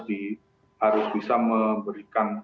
ini harus diperhatikan